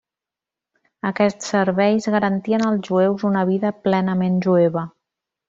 Aquests serveis garantien als jueus una vida plenament jueva.